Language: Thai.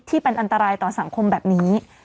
ที่เป็นอันตรายต่อสังคมแบบนี้